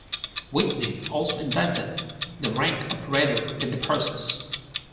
Whitney also invented the rank operator in the process.